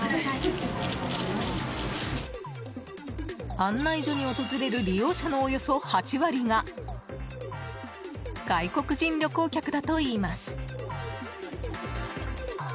案内所に訪れる利用者のおよそ８割が外国人旅行客だといいます。